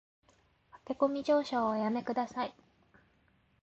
駆け込み乗車はおやめ下さい